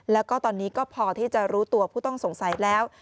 แล้วก็ตอนนี้ก็พอที่จะรู้ตัวผู้ต้องสงสัยแล้ว